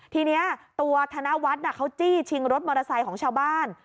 ทีนี้ตัวธนวัฒน์เขาจี้ชิงรถมอเตอร์ไซค์ของชาวบ้าน